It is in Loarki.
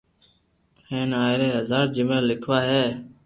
ھين آئري ۾ ھزار جملا ليکوا ھي